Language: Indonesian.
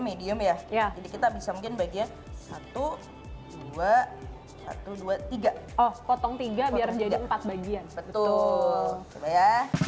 medium ya ya kita bisa mungkin bagian satu ratus dua puluh tiga potong tiga biar jadi empat bagian betul ya